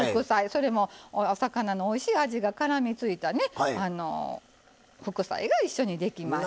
それもお魚のおいしい味がからみついたね副菜が一緒にできます。